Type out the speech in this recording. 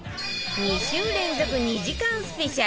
２週連続２時間スペシャル